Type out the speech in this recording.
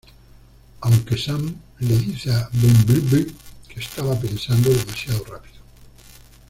Aunque Sam le dice a Bumblebee que está pensando demasiado rápido.